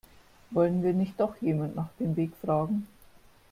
Wollen wir nicht doch jemanden nach dem Weg fragen?